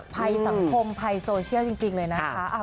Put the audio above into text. ภัยสังคมภัยโซเชียลจริงเลยนะคะ